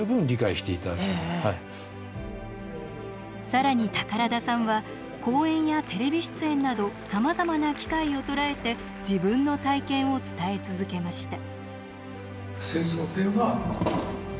更に宝田さんは講演やテレビ出演などさまざまな機会を捉えて自分の体験を伝え続けました。